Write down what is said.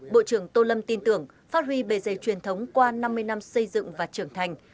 bộ trưởng tô lâm tin tưởng phát huy bề dày truyền thống qua năm mươi năm xây dựng và trưởng thành